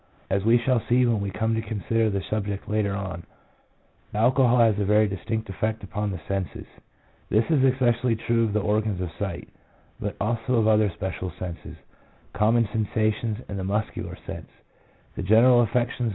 As we shall see when we come to consider the subject later on, alcohol has a very distinct effect upon the senses. This is especially true of the organs of sight, but also of the other special senses, common sensations, and the muscular sense; the general affections of the end organs prevent normal perception.